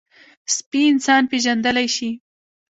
سپي انسان پېژندلی شي.